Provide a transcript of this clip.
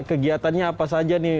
kegiatannya apa saja nih